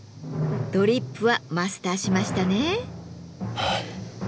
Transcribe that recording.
ドリップはマスターしましたね。